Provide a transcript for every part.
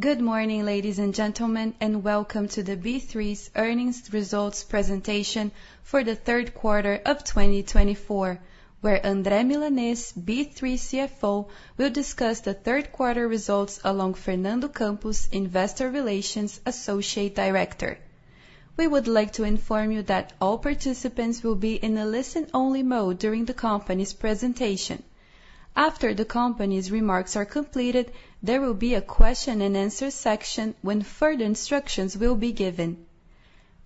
Good morning, ladies and gentlemen, and welcome to the B3's earnings results presentation for the Q3 of 2024, where André Milanez, B3 CFO, will discuss the Q3 results along with Fernando Campos, Investor Relations Associate Director. We would like to inform you that all participants will be in a listen-only mode during the company's presentation. After the company's remarks are completed, there will be a question-and-answer section when further instructions will be given.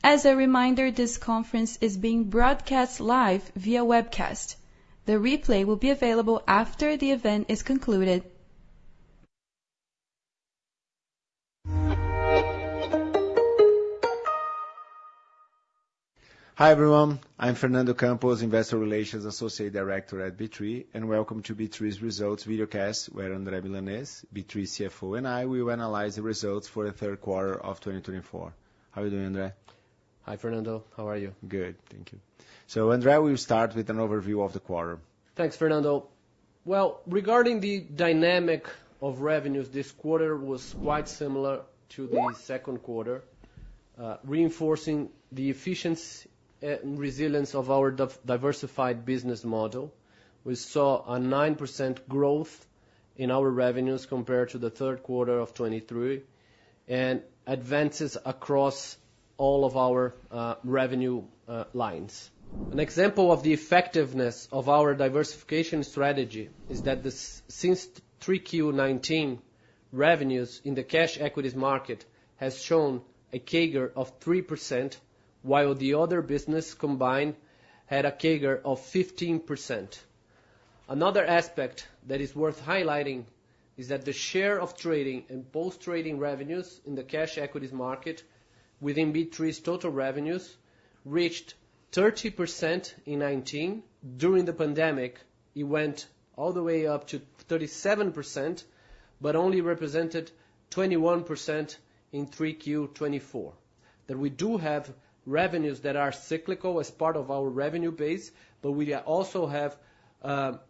As a reminder, this conference is being broadcast live via webcast. The replay will be available after the event is concluded. Hi everyone, I'm Fernando Campos, Investor Relations Associate Director at B3, and welcome to B3's results videocast, where André Milanez, B3 CFO, and I, we will analyze the results for the Q3 of 2024. How are you doing, André? Hi, Fernando, how are you? Good, thank you. So, André, we'll start with an overview of the quarter. Thanks, Fernando. Regarding the dynamic of revenues, this quarter was quite similar to the Q2, reinforcing the efficiency and resilience of our diversified business model. We saw a 9% growth in our revenues compared to the Q3 of 2023, and advances across all of our revenue lines. An example of the effectiveness of our diversification strategy is that since 3Q19 revenues in the cash equities market have shown a CAGR of 3%, while the other businesses combined had a CAGR of 15%. Another aspect that is worth highlighting is that the share of trading and post-trading revenues in the cash equities market within B3's total revenues reached 30% in 2019. During the pandemic, it went all the way up to 37%, but only represented 21% in 3Q24. That we do have revenues that are cyclical as part of our revenue base, but we also have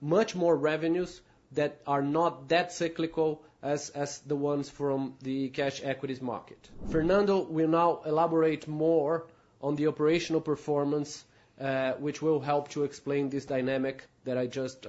much more revenues that are not that cyclical as the ones from the cash equities market. Fernando, we'll now elaborate more on the operational performance, which will help to explain this dynamic that I just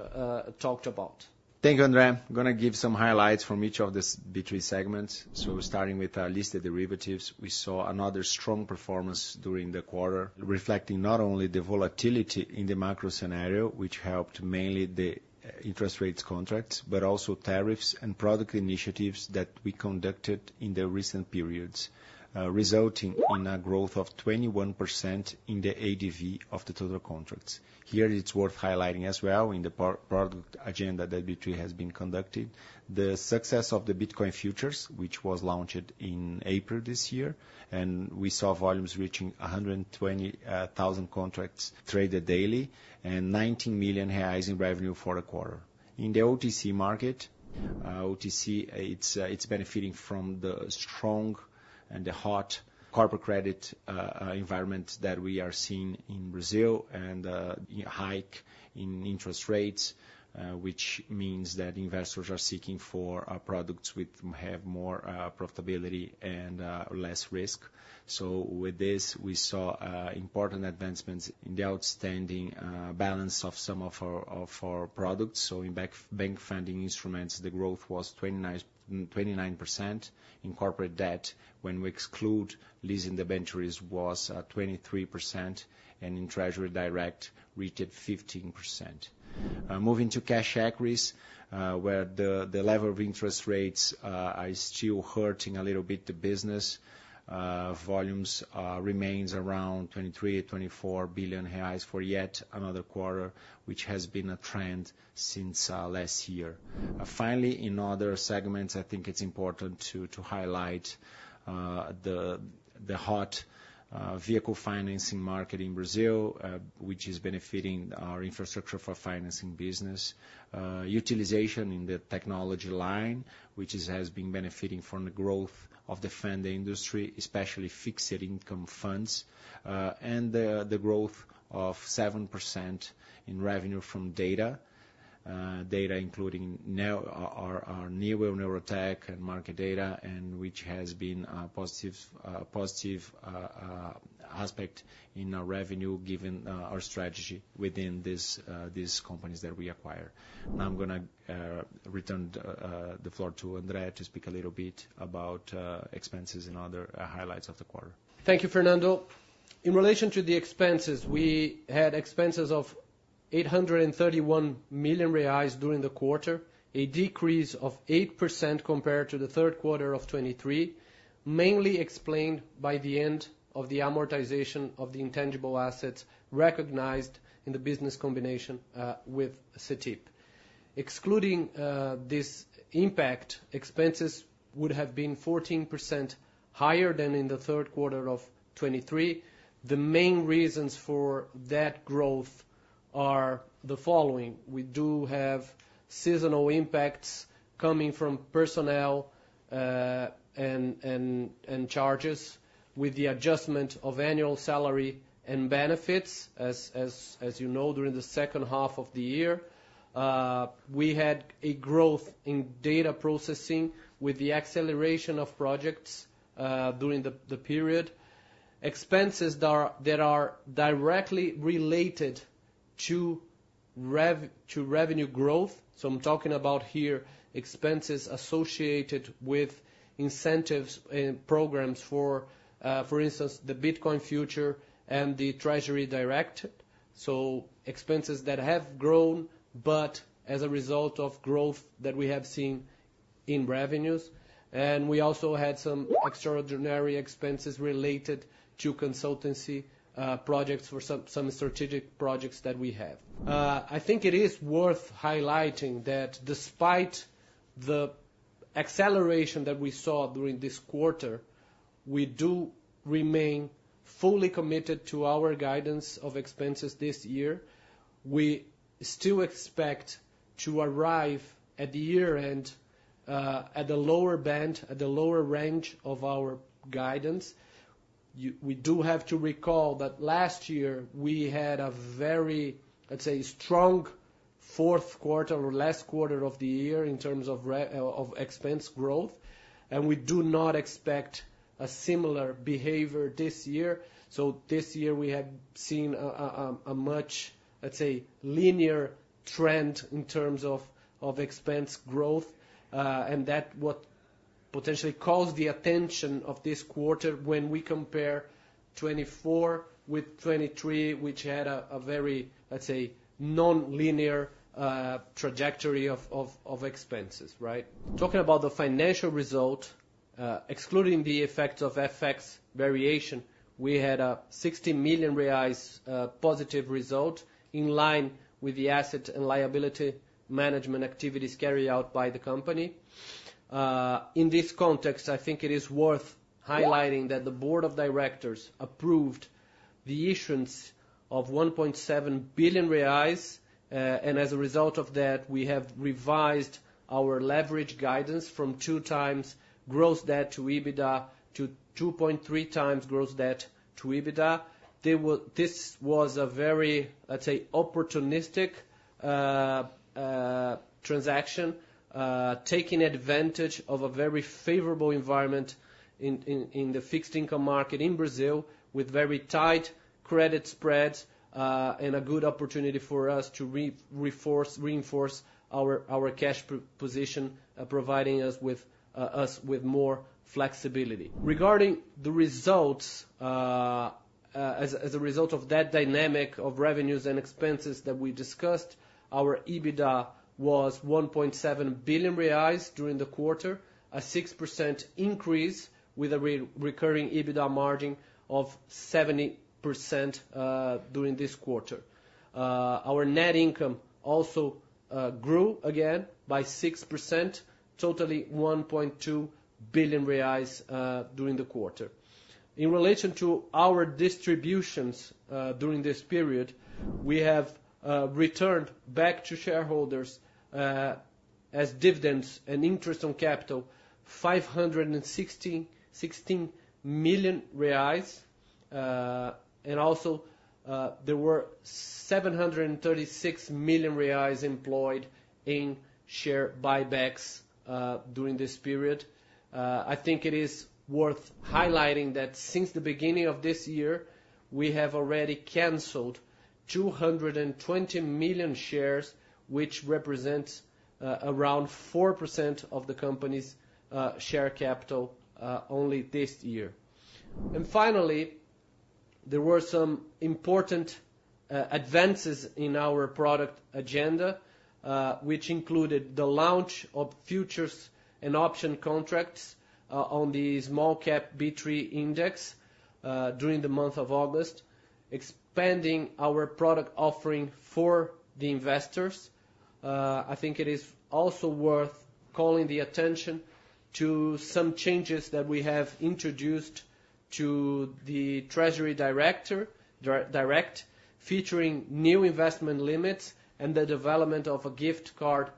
talked about. Thank you, André. I'm going to give some highlights from each of the B3 segments. So, starting with our listed derivatives, we saw another strong performance during the quarter, reflecting not only the volatility in the macro scenario, which helped mainly the interest rates contracts, but also efforts and product initiatives that we conducted in the recent periods, resulting in a growth of 21% in the ADV of the total contracts. Here, it's worth highlighting as well in the product agenda that B3 has been conducting, the success of the Bitcoin futures, which was launched in April this year, and we saw volumes reaching 120,000 contracts traded daily and 19 million BRL in revenue for the quarter. In the OTC market, OTC, it's benefiting from the strong and the hot corporate credit environment that we are seeing in Brazil and a hike in interest rates, which means that investors are seeking for products with more profitability and less risk. So, with this, we saw important advancements in the outstanding balance of some of our products. So, in bank funding instruments, the growth was 29% in corporate debt. When we exclude leasing debentures, it was 23%, and in Treasury Direct, it reached 15%. Moving to Cash Equities, where the level of interest rates is still hurting a little bit the business, volumes remain around 23 billion-24 billion reais for yet another quarter, which has been a trend since last year. Finally, in other segments, I think it's important to highlight the hot vehicle financing market in Brazil, which is benefiting our infrastructure for financing business, utilization in the technology line, which has been benefiting from the growth of the fund industry, especially fixed income funds, and the growth of 7% in revenue from data including our Neoway, Neurotech and market data, which has been a positive aspect in our revenue given our strategy within these companies that we acquire. Now I'm going to return the floor to André to speak a little bit about expenses and other highlights of the quarter. Thank you, Fernando. In relation to the expenses, we had expenses of 831 million reais during the quarter, a decrease of 8% compared to the Q3 of 2023, mainly explained by the end of the amortization of the intangible assets recognized in the business combination with CETIP. Excluding this impact, expenses would have been 14% higher than in the Q3 of 2023. The main reasons for that growth are the following. We do have seasonal impacts coming from personnel and charges. With the adjustment of annual salary and benefits, as you know, during the second half of the year, we had a growth in data processing with the acceleration of projects during the period. Expenses that are directly related to revenue growth, so I'm talking about here expenses associated with incentives and programs for, for instance, the Bitcoin future and the Treasury Direct. So, expenses that have grown, but as a result of growth that we have seen in revenues, and we also had some extraordinary expenses related to consultancy projects for some strategic projects that we have. I think it is worth highlighting that despite the acceleration that we saw during this quarter, we do remain fully committed to our guidance of expenses this year. We still expect to arrive at the year-end at the lower band, at the lower range of our guidance. We do have to recall that last year we had a very, let's say, strong Q4 or last quarter of the year in terms of expense growth, and we do not expect a similar behavior this year. So, this year we have seen a much, let's say, linear trend in terms of expense growth, and that what potentially calls the attention of this quarter when we compare 2024 with 2023, which had a very, let's say, non-linear trajectory of expenses, right? Talking about the financial result, excluding the effects of FX variation, we had a 60 million reais positive result in line with the asset and liability management activities carried out by the company. In this context, I think it is worth highlighting that the board of directors approved the issuance of 1.7 billion reais, and as a result of that, we have revised our leverage guidance from two times gross debt to EBITDA to 2.3 times gross debt to EBITDA. This was a very, let's say, opportunistic transaction, taking advantage of a very favorable environment in the fixed income market in Brazil with very tight credit spreads and a good opportunity for us to reinforce our cash position, providing us with more flexibility. Regarding the results, as a result of that dynamic of revenues and expenses that we discussed, our EBITDA was 1.7 billion reais during the quarter, a 6% increase with a recurring EBITDA margin of 70% during this quarter. Our net income also grew again by 6%, totally 1.2 billion reais during the quarter. In relation to our distributions during this period, we have returned back to shareholders as dividends and interest on capital 516 million reais, and also there were 736 million reais employed in share buybacks during this period. I think it is worth highlighting that since the beginning of this year, we have already canceled 220 million shares, which represents around 4% of the company's share capital only this year. And finally, there were some important advances in our product agenda, which included the launch of futures and option contracts on the Small Cap B3 Index during the month of August, expanding our product offering for the investors. I think it is also worth calling the attention to some changes that we have introduced to the Treasury Direct, featuring new investment limits and the development of a gift card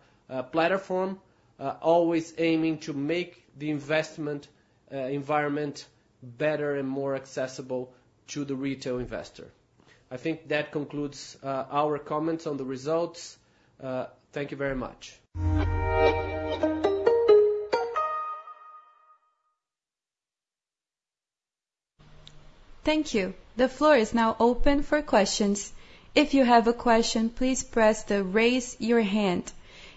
platform, always aiming to make the investment environment better and more accessible to the retail investor. I think that concludes our comments on the results. Thank you very much. Thank you. The floor is now open for questions. If you have a question, please press the raise your hand.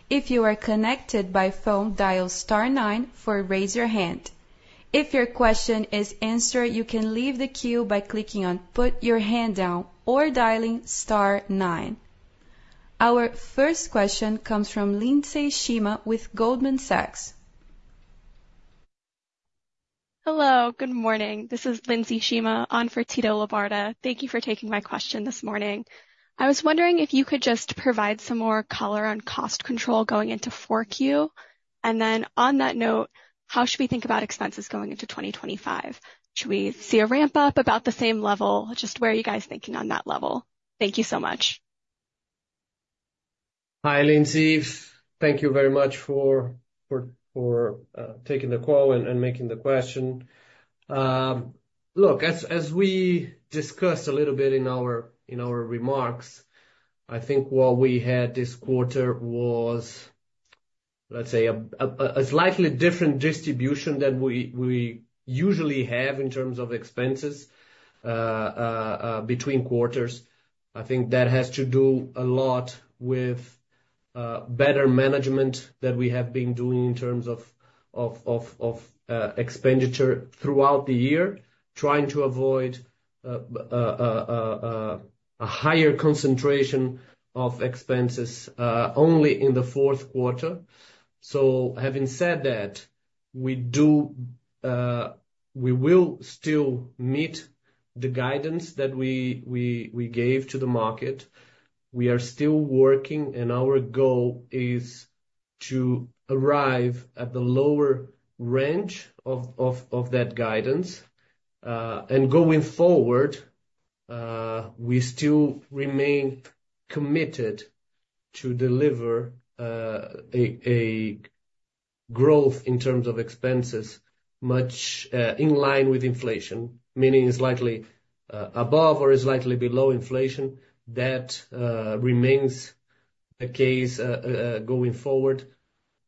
If you are connected by phone, dial star nine for raise your hand. If your question is answered, you can leave the queue by clicking on put your hand down or dialing star nine. Our first question comes from Lindsey Shema with Goldman Sachs. Hello, good morning. This is Lindsey Shema on for Tito Labarta. Thank you for taking my question this morning. I was wondering if you could just provide some more color on cost control going into 4Q, and then on that note, how should we think about expenses going into 2025? Should we see a ramp up about the same level, just where are you guys thinking on that level? Thank you so much. Hi, Lindsay. Thank you very much for taking the call and making the question. Look, as we discussed a little bit in our remarks, I think what we had this quarter was, let's say, a slightly different distribution than we usually have in terms of expenses between quarters. I think that has to do a lot with better management that we have been doing in terms of expenditure throughout the year, trying to avoid a higher concentration of expenses only in the Q4, so, having said that, we will still meet the guidance that we gave to the market. We are still working, and our goal is to arrive at the lower range of that guidance, and going forward, we still remain committed to deliver a growth in terms of expenses much in line with inflation, meaning it's likely above or it's likely below inflation. That remains the case going forward,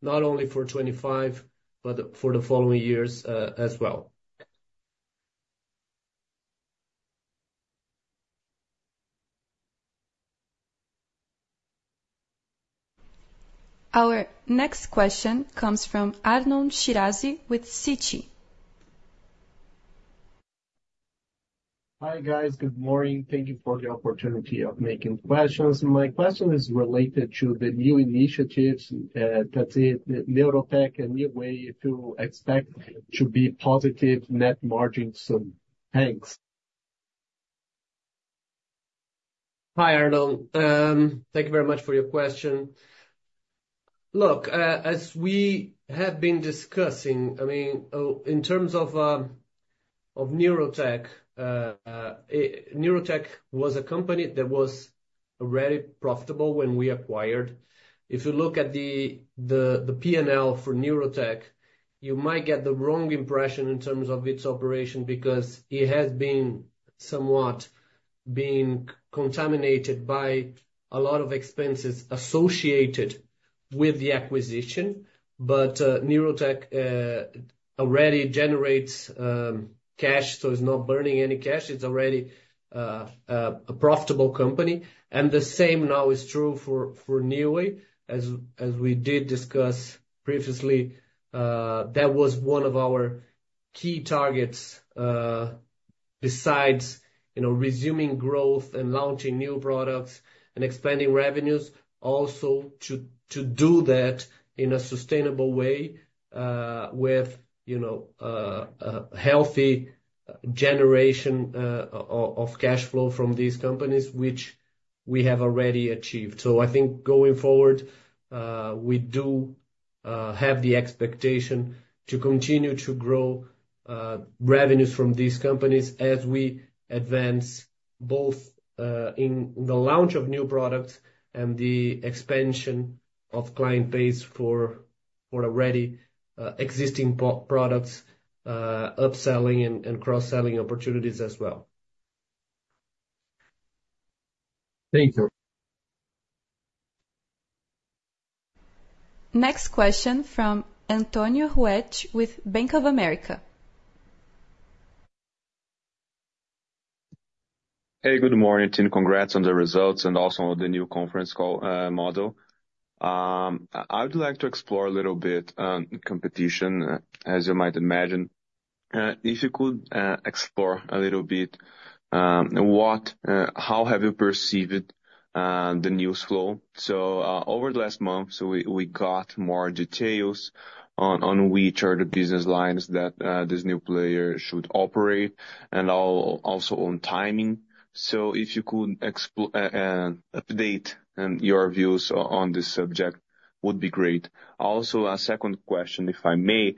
not only for 2025, but for the following years as well. Our next question comes from Arnon Shirazi with Citi. Hi guys, good morning. Thank you for the opportunity of making questions. My question is related to the new initiatives, that's it, Neurotech, Neoway expected to be positive net margin soon. Thanks. Hi Arnon, thank you very much for your question. Look, as we have been discussing, I mean, in terms of Neurotech, Neurotech was a company that was already profitable when we acquired. If you look at the P&L for Neurotech, you might get the wrong impression in terms of its operation because it has been somewhat contaminated by a lot of expenses associated with the acquisition, but Neurotech already generates cash, so it's not burning any cash. It's already a profitable company, and the same now is true for Neoway. As we did discuss previously, that was one of our key targets besides resuming growth and launching new products and expanding revenues, also to do that in a sustainable way with healthy generation of cash flow from these companies, which we have already achieved. I think going forward, we do have the expectation to continue to grow revenues from these companies as we advance both in the launch of new products and the expansion of client base for already existing products, upselling and cross-selling opportunities as well. Thank you. Next question from Antonio Ruocchio with Bank of America. Hey, good morning and congrats on the results and also the new conference call model. I would like to explore a little bit on competition, as you might imagine. If you could explore a little bit, how have you perceived the news flow? So, over the last month, we got more details on which are the business lines that this new player should operate and also on timing. So, if you could update your views on this subject, would be great. Also, a second question, if I may,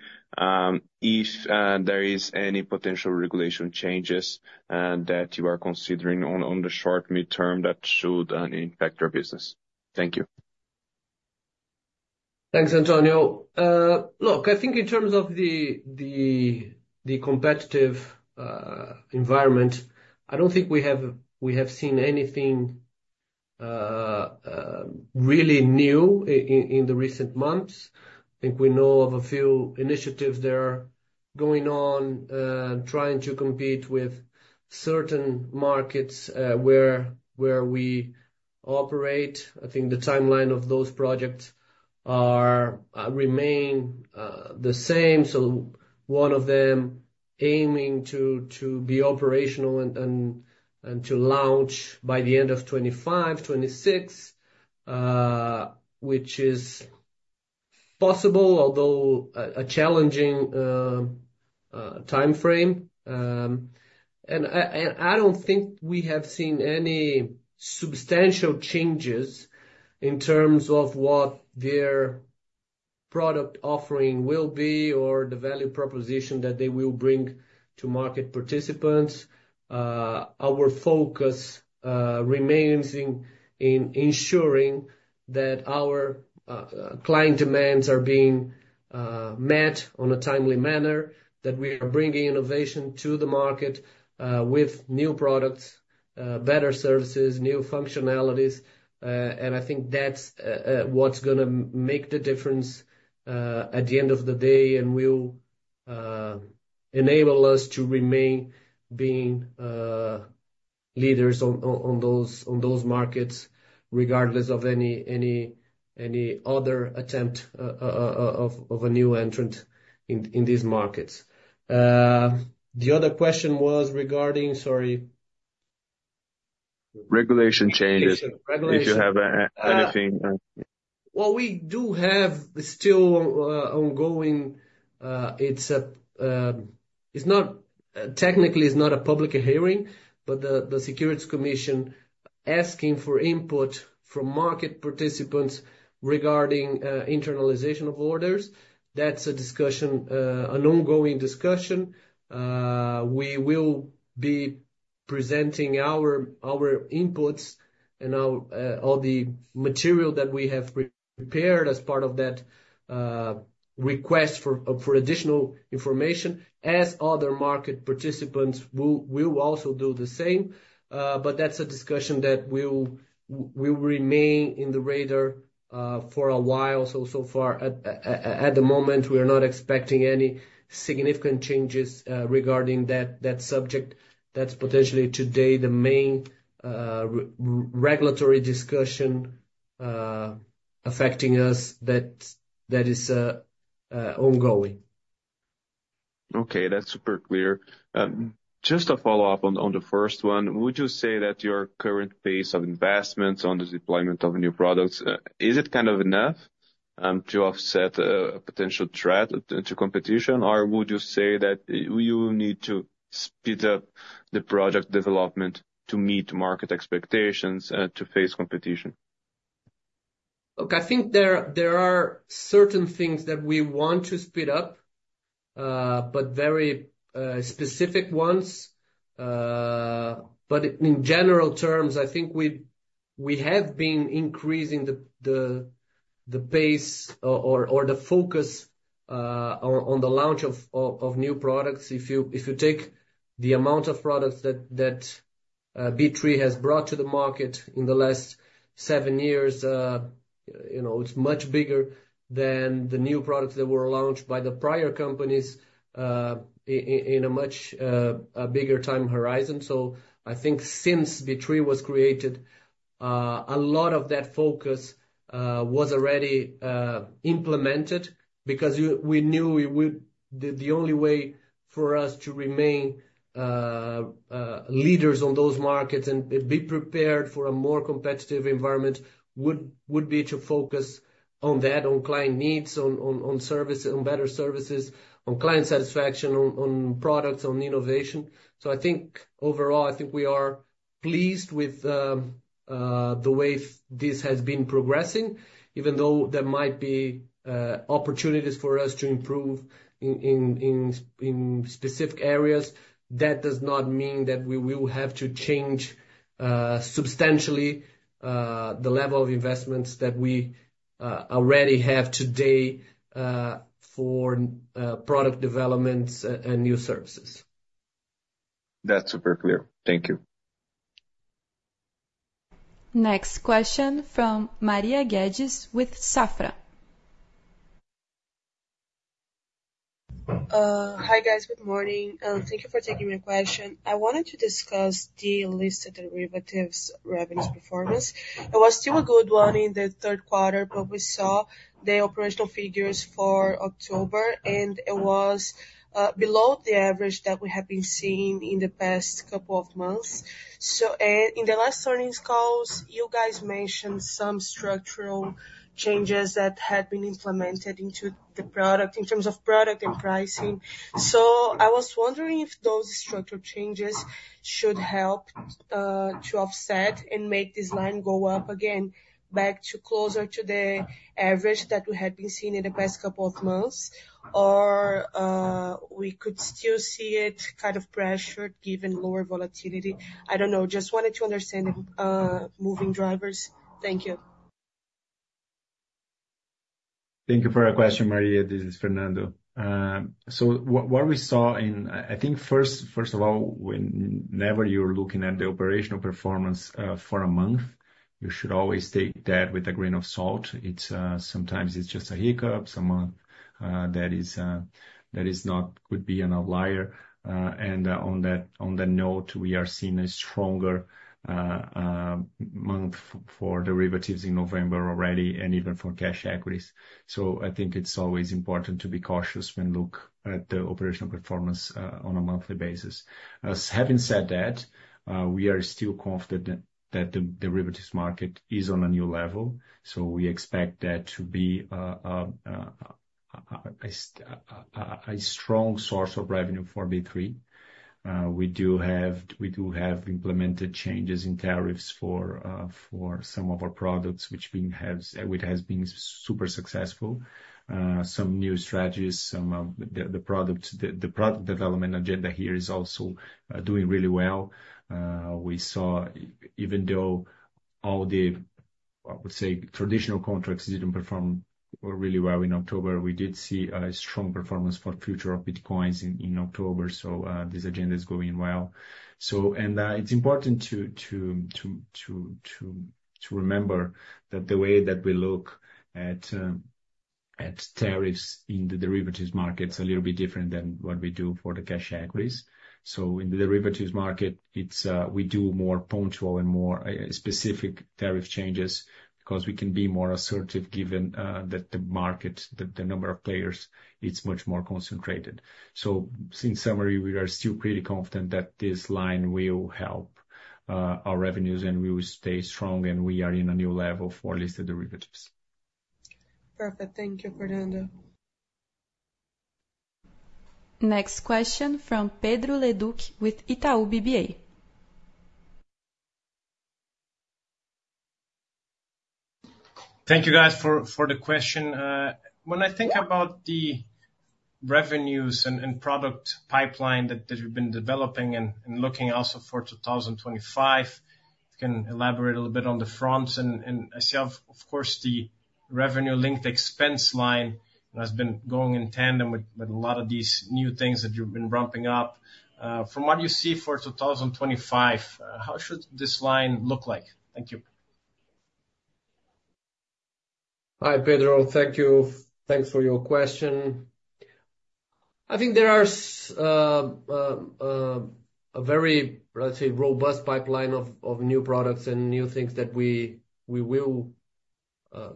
if there is any potential regulation changes that you are considering on the short, mid-term that should impact your business? Thank you. Thanks, Antonio. Look, I think in terms of the competitive environment, I don't think we have seen anything really new in the recent months. I think we know of a few initiatives that are going on, trying to compete with certain markets where we operate. I think the timeline of those projects remains the same. So, one of them aiming to be operational and to launch by the end of 2025, 2026, which is possible, although a challenging timeframe. And I don't think we have seen any substantial changes in terms of what their product offering will be or the value proposition that they will bring to market participants. Our focus remains in ensuring that our client demands are being met on a timely manner, that we are bringing innovation to the market with new products, better services, new functionalities. I think that's what's going to make the difference at the end of the day and will enable us to remain being leaders on those markets, regardless of any other attempt of a new entrant in these markets. The other question was regarding, sorry. Regulation changes. If you have anything. We do have still ongoing. It's not technically. It's not a public hearing, but the Securities Commission asking for input from market participants regarding internalization of orders. That's an ongoing discussion. We will be presenting our inputs and all the material that we have prepared as part of that request for additional information, as other market participants will also do the same. But that's a discussion that will remain in the radar for a while. So, so far, at the moment, we are not expecting any significant changes regarding that subject. That's potentially today the main regulatory discussion affecting us that is ongoing. Okay, that's super clear. Just a follow-up on the first one. Would you say that your current pace of investments on the deployment of new products, is it kind of enough to offset a potential threat to competition, or would you say that you need to speed up the project development to meet market expectations to face competition? Look, I think there are certain things that we want to speed up, but very specific ones. But in general terms, I think we have been increasing the pace or the focus on the launch of new products. If you take the amount of products that B3 has brought to the market in the last seven years, it's much bigger than the new products that were launched by the prior companies in a much bigger time horizon. So, I think since B3 was created, a lot of that focus was already implemented because we knew the only way for us to remain leaders on those markets and be prepared for a more competitive environment would be to focus on that, on client needs, on better services, on client satisfaction, on products, on innovation. So, I think overall, I think we are pleased with the way this has been progressing. Even though there might be opportunities for us to improve in specific areas, that does not mean that we will have to change substantially the level of investments that we already have today for product developments and new services. That's super clear. Thank you. Next question from Maria Gaglianone with Safra. Hi guys, good morning. Thank you for taking my question. I wanted to discuss the listed derivatives revenues performance. It was still a good one in the Q3, but we saw the operational figures for October, and it was below the average that we have been seeing in the past couple of months. So, in the last earnings calls, you guys mentioned some structural changes that had been implemented into the product in terms of product and pricing. So, I was wondering if those structural changes should help to offset and make this line go up again, back to closer to the average that we had been seeing in the past couple of months, or we could still see it kind of pressured given lower volatility. I don't know. Just wanted to understand moving drivers. Thank you. Thank you for your question, Maria. This is Fernando. So, what we saw in, I think first of all, whenever you're looking at the operational performance for a month, you should always take that with a grain of salt. Sometimes it's just a hiccup, something that could be an outlier. And on that note, we are seeing a stronger month for derivatives in November already, and even for cash equities. So, I think it's always important to be cautious when looking at the operational performance on a monthly basis. Having said that, we are still confident that the derivatives market is on a new level. So, we expect that to be a strong source of revenue for B3. We do have implemented changes in tariffs for some of our products, which has been super successful. Some new strategies, some of the product development agenda here is also doing really well. We saw, even though all the, I would say, traditional contracts didn't perform really well in October, we did see a strong performance for Bitcoin futures in October. This agenda is going well. It's important to remember that the way that we look at tariffs in the derivatives markets is a little bit different than what we do for the cash equities. In the derivatives market, we do more punctual and more specific tariff changes because we can be more assertive given that the market, the number of players, it's much more concentrated. In summary, we are still pretty confident that this line will help our revenues and we will stay strong and we are in a new level for listed derivatives. Perfect. Thank you, Fernando. Next question from Pedro Leduc with Itaú BBA. Thank you guys for the question. When I think about the revenues and product pipeline that we've been developing and looking also for 2025, can elaborate a little bit on the fronts, and I see, of course, the revenue linked expense line has been going in tandem with a lot of these new things that you've been ramping up. From what you see for 2025, how should this line look like? Thank you. Hi, Pedro. Thank you. Thanks for your question. I think there is a very robust pipeline of new products and new things that we will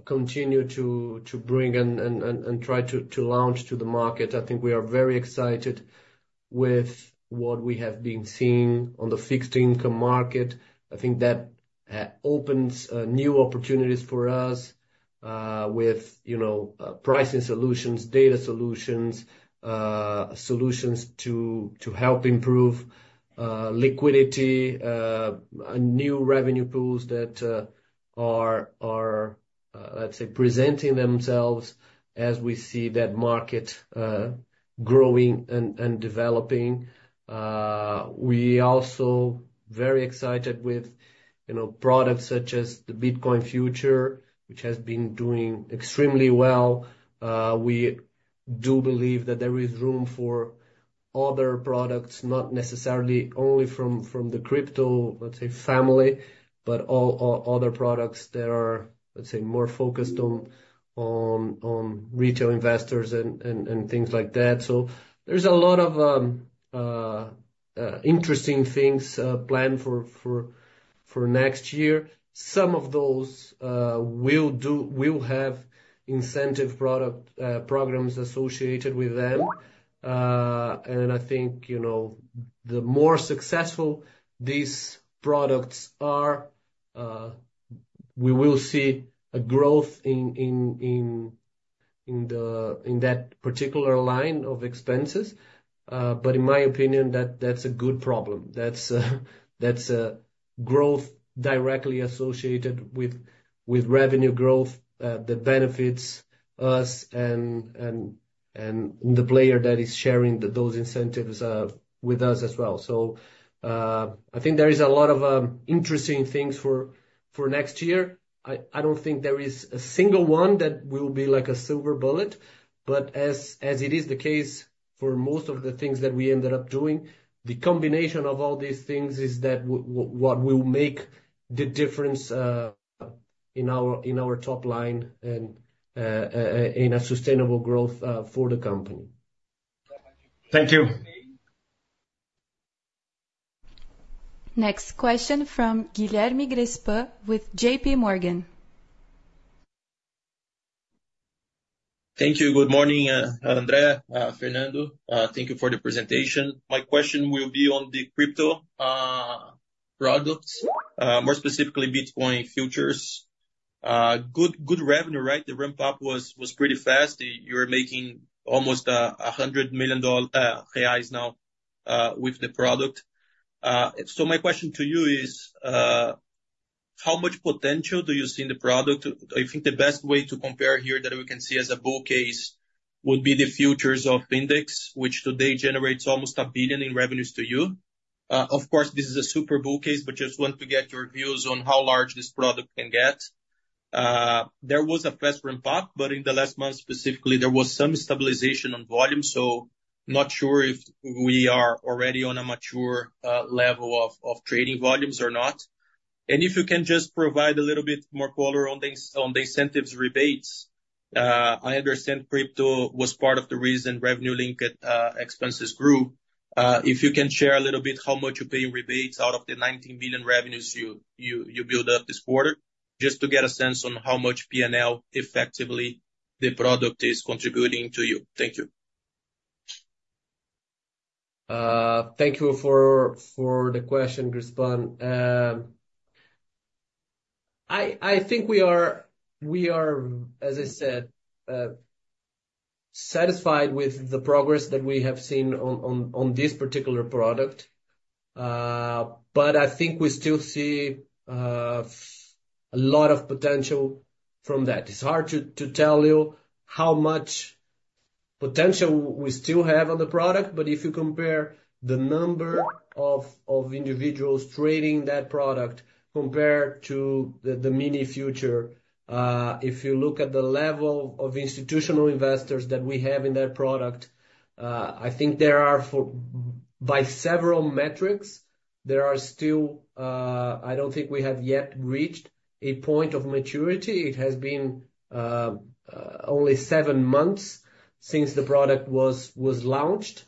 continue to bring and try to launch to the market. I think we are very excited with what we have been seeing on the fixed income market. I think that opens new opportunities for us with pricing solutions, data solutions, solutions to help improve liquidity, new revenue pools that are, let's say, presenting themselves as we see that market growing and developing. We are also very excited with products such as the Bitcoin future, which has been doing extremely well. We do believe that there is room for other products, not necessarily only from the crypto, let's say, family, but other products that are, let's say, more focused on retail investors and things like that. So, there's a lot of interesting things planned for next year. Some of those will have incentive programs associated with them. And I think the more successful these products are, we will see a growth in that particular line of expenses. But in my opinion, that's a good problem. That's a growth directly associated with revenue growth that benefits us and the player that is sharing those incentives with us as well. So, I think there is a lot of interesting things for next year. I don't think there is a single one that will be like a silver bullet. But as it is the case for most of the things that we ended up doing, the combination of all these things is that what will make the difference in our top line and in a sustainable growth for the company. Thank you. Next question from Guilherme Grespan with JP Morgan. Thank you. Good morning, André, Fernando. Thank you for the presentation. My question will be on the crypto products, more specifically Bitcoin futures. Good revenue, right? The ramp-up was pretty fast. You are making almost $100 million now with the product. So, my question to you is, how much potential do you see in the product? I think the best way to compare here that we can see as a bull case would be the futures of Index, which today generates almost $1 billion in revenues to you. Of course, this is a super bull case, but just want to get your views on how large this product can get. There was a fast ramp-up, but in the last month specifically, there was some stabilization on volume. So, not sure if we are already on a mature level of trading volumes or not. And if you can just provide a little bit more color on the incentives rebates, I understand crypto was part of the reason revenue linked expenses grew. If you can share a little bit how much you're paying rebates out of the 19 million revenues you built up this quarter, just to get a sense on how much P&L effectively the product is contributing to you? Thank you. Thank you for the question, Grespan. I think we are, as I said, satisfied with the progress that we have seen on this particular product. But I think we still see a lot of potential from that. It's hard to tell you how much potential we still have on the product, but if you compare the number of individuals trading that product compared to the mini future, if you look at the level of institutional investors that we have in that product, I think there are by several metrics, there are still. I don't think we have yet reached a point of maturity. It has been only seven months since the product was launched.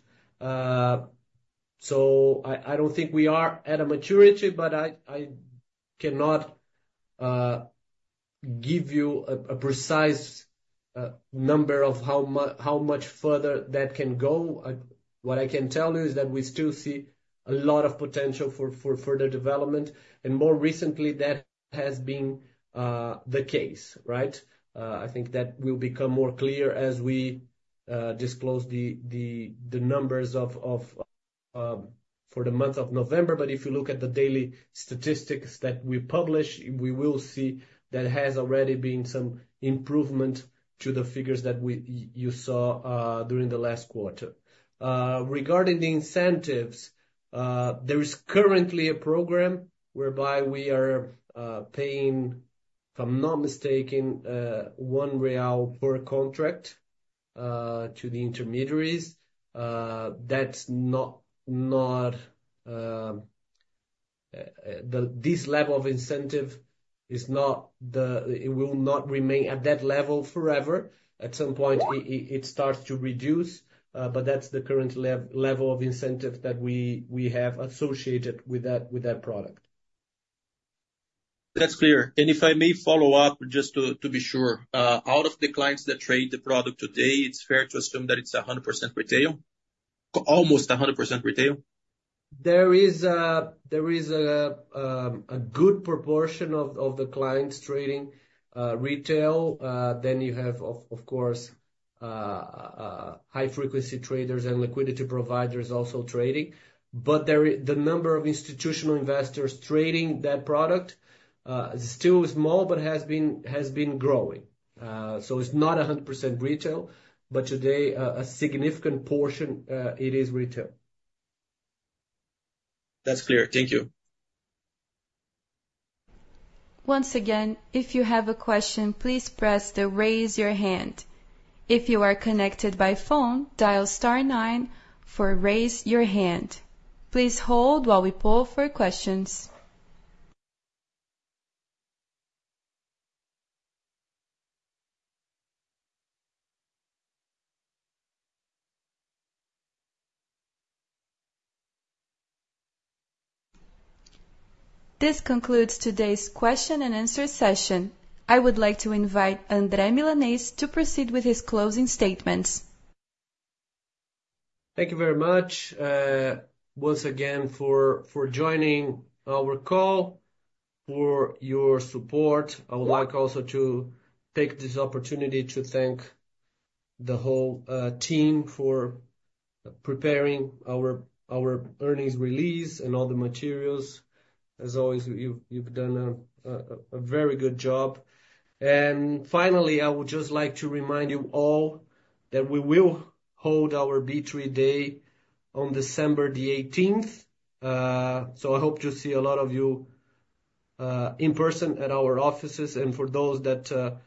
So, I don't think we are at a maturity, but I cannot give you a precise number of how much further that can go. What I can tell you is that we still see a lot of potential for further development, and more recently, that has been the case, right? I think that will become more clear as we disclose the numbers for the month of November, but if you look at the daily statistics that we publish, we will see there has already been some improvement to the figures that you saw during the last quarter. Regarding the incentives, there is currently a program whereby we are paying, if I'm not mistaken, 1 real per contract to the intermediaries. It will not remain at that level forever. At some point, it starts to reduce, but that's the current level of incentive that we have associated with that product. That's clear. And if I may follow up just to be sure, out of the clients that trade the product today, it's fair to assume that it's 100% retail, almost 100% retail? There is a good proportion of the clients trading retail. Then you have, of course, high-frequency traders and liquidity providers also trading. But the number of institutional investors trading that product is still small, but has been growing. So, it's not 100% retail, but today, a significant portion, it is retail. That's clear. Thank you. Once again, if you have a question, please press the raise your hand. If you are connected by phone, dial star nine for raise your hand. Please hold while we poll for questions. This concludes today's question and answer session. I would like to invite André Milanez to proceed with his closing statements. Thank you very much. Once again, for joining our call, for your support. I would like also to take this opportunity to thank the whole team for preparing our earnings release and all the materials. As always, you've done a very good job. And finally, I would just like to remind you all that we will hold our B3 day on December the 18th. So, I hope to see a lot of you in person at our offices. And for those that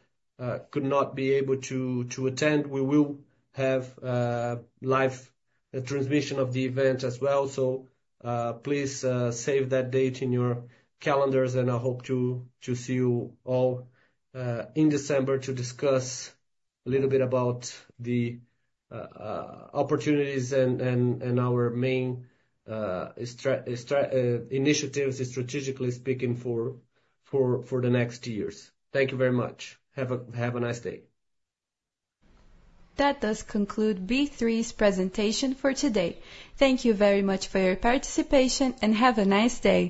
could not be able to attend, we will have live transmission of the event as well. So, please save that date in your calendars. And I hope to see you all in December to discuss a little bit about the opportunities and our main initiatives, strategically speaking, for the next years. Thank you very much. Have a nice day. That does conclude B3's presentation for today. Thank you very much for your participation and have a nice day.